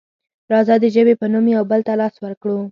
راځه د ژبې په نوم یو بل ته لاس ورکړو.